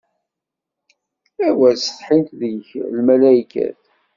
Awer setḥint deg-k lmalaykat!